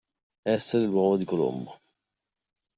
Essere l'uovo di Colombo.